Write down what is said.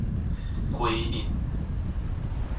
歸依